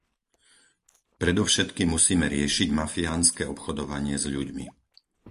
Predovšetkým musíme riešiť mafiánske obchodovanie s ľuďmi.